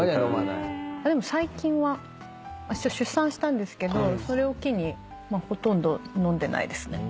最近は出産したんですけどそれを機にほとんど飲んでないですね。